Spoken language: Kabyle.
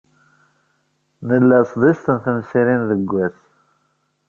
Nla sḍiset n temsirin deg wass.